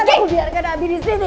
aku gak akan biarkan nabi disini